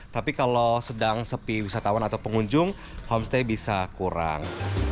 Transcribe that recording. tapi kalau sedang sepi wisatawan atau pengunjung homestay bisa kurang